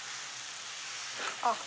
あっ！